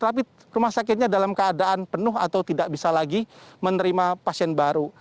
tapi rumah sakitnya dalam keadaan penuh atau tidak bisa lagi menerima pasien baru